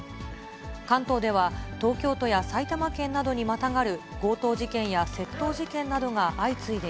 関東では、東京都や埼玉県などにまたがる強盗事件や窃盗事件などが相次いで